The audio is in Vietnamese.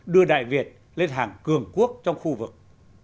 đưa đại việt lên hàng cường quốc trong khu vực